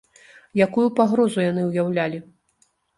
Якую пагрозу яны ўяўлялі?